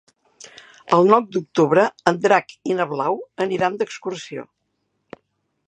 El nou d'octubre en Drac i na Blau aniran d'excursió.